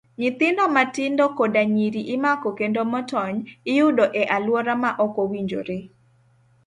Nyithindo matindo koda nyiri imako kendo motony, iyudo e aluora ma okowinjore.